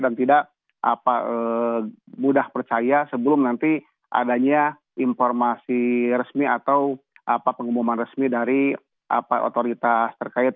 dan tidak mudah percaya sebelum nanti adanya informasi resmi atau pengumuman resmi dari otoritas terkait